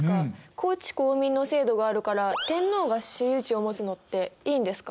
公地公民の制度があるから天皇が私有地を持つのっていいんですか？